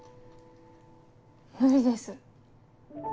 無理です。